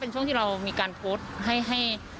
ช่วงที่เรามีการโพสต์ให้